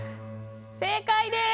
正解です！